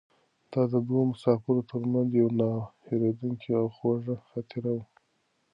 دا د دوو مسافرو تر منځ یوه نه هېرېدونکې او خوږه خاطره وه.